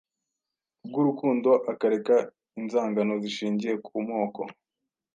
bwurukundo akareka inzangano zishingiye ku moko.